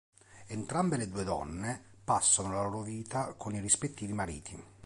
Entrambe le due donne passano la loro vita con i rispettivi mariti.